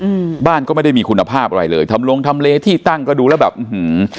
อืมบ้านก็ไม่ได้มีคุณภาพอะไรเลยทำลงทำเลที่ตั้งก็ดูแล้วแบบอื้อหือ